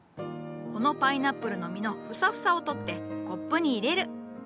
このパイナップルの実のフサフサを取ってコップに入れる。